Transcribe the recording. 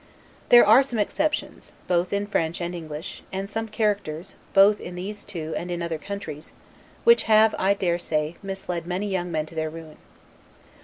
There are some expressions, both in French and English, and some characters, both in those two and in other countries, which have, I dare say, misled many young men to their ruin.